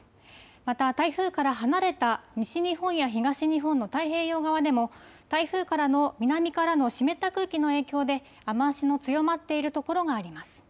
また台風から離れた西日本や東日本の太平洋側でも台風からの南からの湿った空気の影響で雨足の強まっているところがあります。